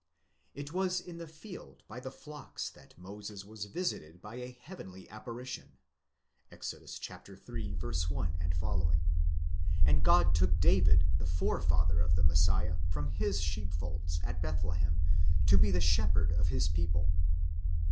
° It was in the field by the flocks that Moses. was visited by a heavenly apparition (Exod. iii. 1 ff.); and God took David, the forefather of the Messiah, from his sheepfolds (at Bethlehem), to be the shep herd of his people.